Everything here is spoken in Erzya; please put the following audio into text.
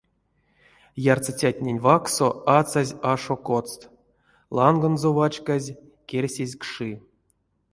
Ярсыцятнень вакссо ацазь ашо коцт, ланганзо вачказь керсезь кши.